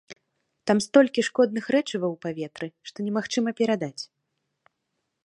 Там столькі шкодных рэчываў у паветры, што немагчыма перадаць.